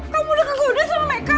kamu udah kegoda sama mereka